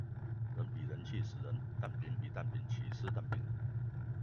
人比人氣死人，蛋餅比蛋餅，起司蛋餅